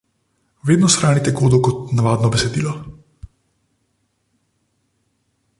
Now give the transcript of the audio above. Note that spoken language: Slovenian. Vedno shranite kodo kot navadno besedilo.